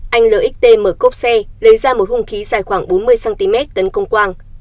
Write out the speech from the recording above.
anh lt mở cốp xe lấy ra một hung khí dài khoảng bốn mươi cm tấn công quang